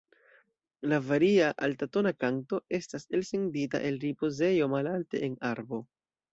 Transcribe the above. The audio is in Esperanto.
La varia, altatona kanto estas elsendita el ripozejo malalte en arbo.